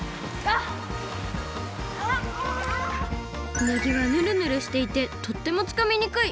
うなぎはぬるぬるしていてとってもつかみにくい。